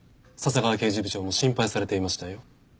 笹川刑事部長も心配されていましたよ。